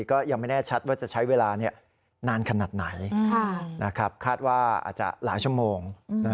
ก็ยังไม่แน่ชัดว่าจะใช้เวลานานขนาดไหนคาดว่าอาจจะหลายชั่วโมง